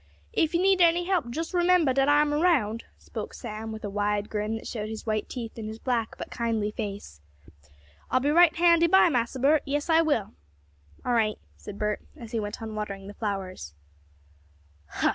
"If yo' need any help, jest remembah dat I'm around," spoke Sam, with a wide grin that showed his white teeth in his black, but kindly face. "I'll be right handy by, Massa Bert, yes, I will!" "All right," said Bert, as he went on watering the flowers.